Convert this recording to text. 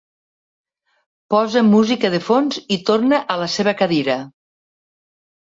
Posa música de fons i torna a la seva cadira.